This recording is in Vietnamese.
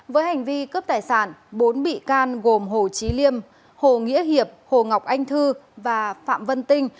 với hành vi cướp tài sản bốn bị can gồm hồ trí liêm hồ nghĩa hiệp hồ ngọc anh thư và phạm vân tinh